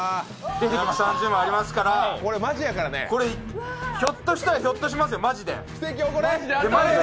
２３０枚ありますから、これ、ひょっとしたらひょっとしますよ、マジで。